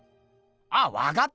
あっわかった！